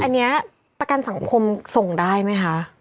อันนี้ประกันสังคมส่งได้ไหมคะ